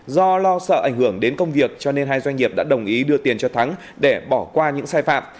do lo sợ ảnh hưởng đến công việc cho nên hai doanh nghiệp đã đồng ý đưa tiền cho thắng để bỏ qua những sai phạm